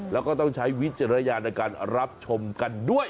แล้วก็ต้องใช้วิจารณญาณในการรับชมกันด้วย